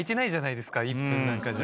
１分なんかじゃ。